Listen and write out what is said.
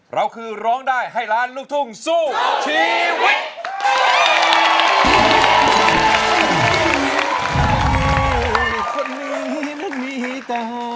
เราคือร้องได้ให้ล้านลูกทุ่งสู้ชีวิต